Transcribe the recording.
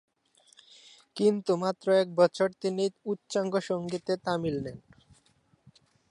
কিন্তু মাত্র এক বছর তিনি উচ্চাঙ্গ সংগীতে তামিল নেন।